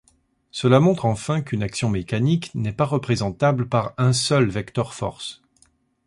Cela montre enfin qu'une action mécanique n'est pas représentable par un seul vecteur force.